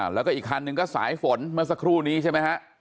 แล้วก็อีกคันหนึ่งก็สายฝนเมื่อสักครู่นี้ใช่ไหมฮะ